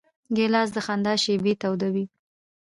ګیلاس د خندا شېبې تودوي.